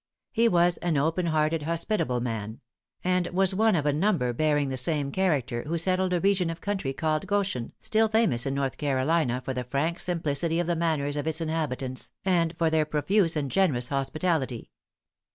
He was an open hearted, hospitable man; and was one of a number bearing the same character, who settled a region of country called Goshen, still famous in North Carolina for the frank simplicity of the manners of its inhabitants, and for their profuse and generous hospitality.